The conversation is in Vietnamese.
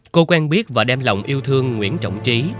cô quen biết và đem lòng yêu thương nguyễn trọng trí